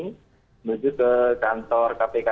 menuju ke kantor kpk